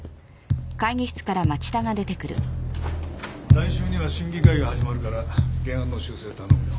来週には審議会が始まるから原案の修正頼むよ。